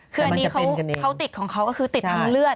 คืออันนี้เขาติดของเขาก็คือติดทำเลือด